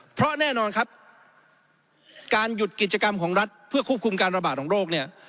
เพราะแน่นอนครับการหยุดกิจกรรมของรัฐเพื่อควบคุมการระบาดของโรคเนี่ย